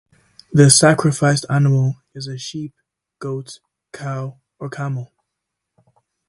The sacrificed animal is a sheep, goat, cow or camel.